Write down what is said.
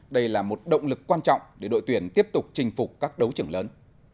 đây là một động lực quan trọng để đội tuyển tiếp tục chinh phục các đấu trưởng lớn